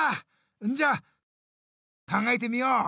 んじゃさっそく考えてみよう！